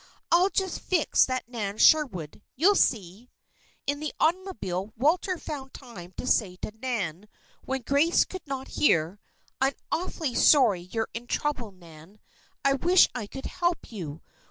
"I'll just fix that Nan Sherwood; you see!" In the automobile Walter found time to say to Nan, when Grace could not hear: "I'm awfully sorry you're in trouble, Nan. I wish I could help you.